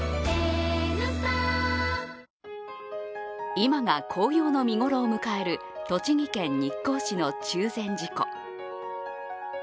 今が紅葉の見頃を迎える栃木県日光市の中禅寺湖。